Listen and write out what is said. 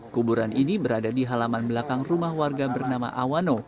kuburan ini berada di halaman belakang rumah warga bernama awano